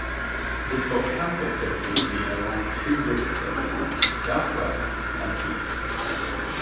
This volcanic activity has been along two rift zones: the southwest and east.